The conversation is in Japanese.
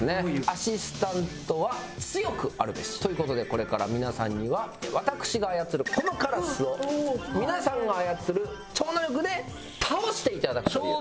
アシスタントは強くあるべしという事でこれから皆さんには私が操るこのカラスを皆さんが操る超能力で倒して頂くという。